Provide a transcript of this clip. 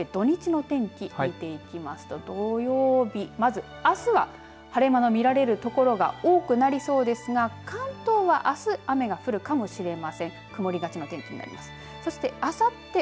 そして土日の天気見ていきますと土曜日、まずあすは晴れ間の見られる所が多くなりそうですが関東はあす雨が降るかもしれません。